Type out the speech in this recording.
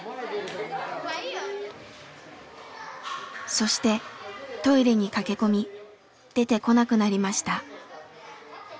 そしてトイレに駆け込み出てこなくなりました。